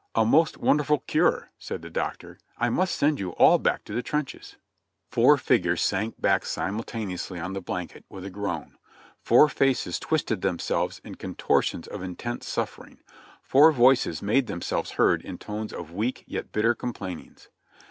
"A most wonderful cure," said the Doctor. "I must send you all back to the trenches !" Four figures sank back simultaneously on the blanket, with a groan; four faces twisted themselves in contortions of intense suffering; four voices made themselves heard in tones of weak, yet bitter complainings.